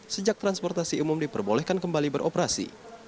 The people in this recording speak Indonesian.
sejak transportasi umum diperbolehkan kembali beroperasi